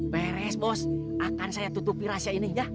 beres bos akan saya tutupi rahasia ini ya